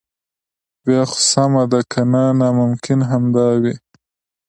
بیا خو سمه ده کنه ناممکن همدا وي.